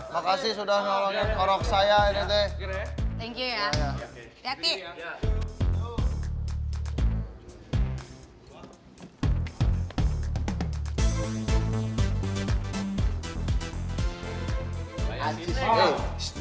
makasih sudah nolong orang saya ini teh